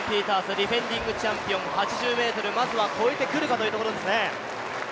ディフェンディングチャンピオン、８０ｍまずは越えてくるかというところですね。